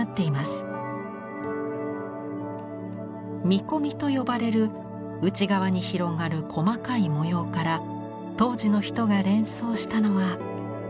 「見込み」と呼ばれる内側に広がる細かい模様から当時の人が連想したのは。